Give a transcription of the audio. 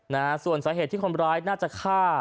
นะฮะส่วนสาเหตุที่คนร้ายน่าจะฆ่า